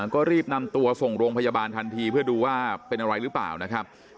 ก็รีบนำตัวส่งโรงพยาบาลทันทีเพื่อดูว่าเป็นอะไรหรือเปล่านะครับ